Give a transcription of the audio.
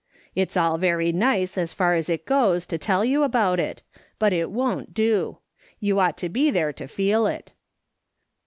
It's all very nice as far as it goes to tell you about it, but it won't do ; you ought to be there to feel it.'